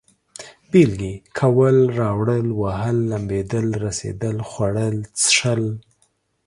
بېلگې: کول، راوړل، وهل، لمبېدل، رسېدل، خوړل، څښل